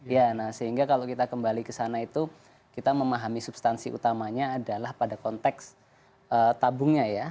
ya nah sehingga kalau kita kembali ke sana itu kita memahami substansi utamanya adalah pada konteks tabungnya ya